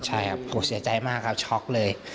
ใช่ครับโหเสียใจมากครับช็อกเลย